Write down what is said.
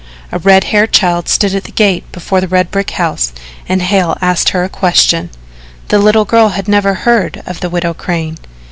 A red haired child stood at the gate before the red brick house and Hale asked her a question. The little girl had never heard of the Widow Crane.